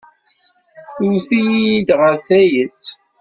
Twet-iyi-d ɣer tayet.